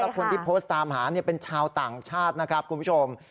คนที่โพสต์ตามหาเป็นชาวต่างชาตินะครับคุณผู้ชม